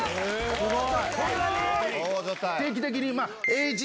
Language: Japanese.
すごい。